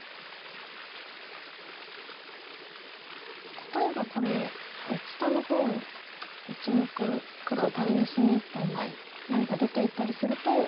例えばこれ下の方の１目黒アタリにしにいったり何か出ていったりすると。